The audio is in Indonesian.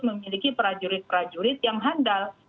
memiliki prajurit prajurit yang handal